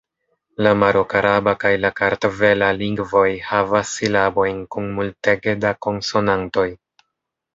La marokaraba kaj la kartvela lingvoj havas silabojn kun multege da konsonantoj.